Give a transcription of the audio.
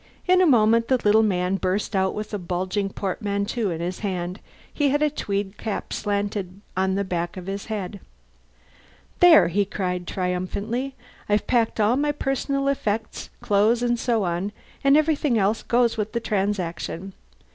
In a moment the little man burst out with a bulging portmanteau in his hand. He had a tweed cap slanted on the back of his head. "There!" he cried triumphantly. "I've packed all my personal effects clothes and so on and everything else goes with the transaction.